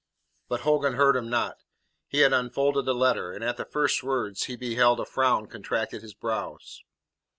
But Hogan heard him not. He had unfolded the letter, and at the first words he beheld, a frown contracted his brows.